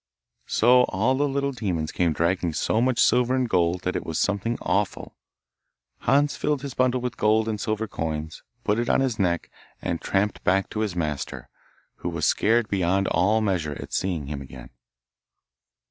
So all the little demons came dragging so much silver and gold that it was something awful. Hans filled his bundle with gold and silver coins, put it on his neck, and tramped back to his master, who was scared beyond all measure at seeing him again.